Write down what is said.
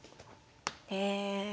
へえ。